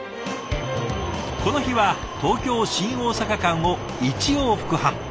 この日は東京・新大阪間を１往復半。